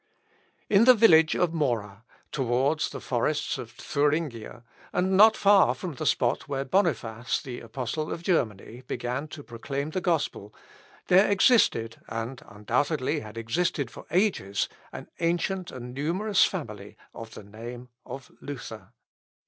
In the village of Mora, towards the forests of Thuringia, and not far from the spot where Boniface, the Apostle of Germany, began to proclaim the gospel, there existed, and, undoubtedly, had existed for ages, an ancient and numerous family of the name of Luther.